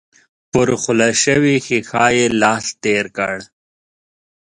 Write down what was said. پر خوله شوې ښيښه يې لاس تېر کړ.